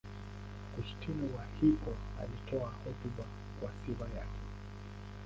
Augustino wa Hippo alitoa hotuba kwa sifa yake.